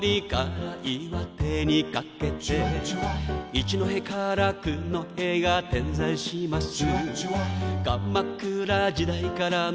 一戸から九戸が点在します